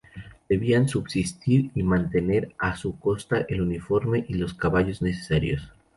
Debían subsistir y mantener a su costa el uniforme y los caballos necesarios.